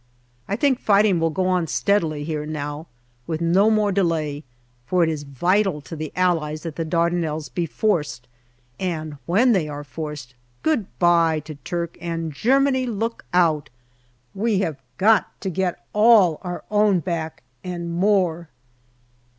I think fighting will go on steadily here now with no more delay, for it is vital to the Allies that the Dardanelles be forced, and when they are forced, good bye to Turk, and Germany look out ! We have got to get all our own back and more.